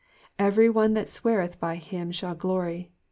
''^^ Every one that sweareth by him shall glory.''''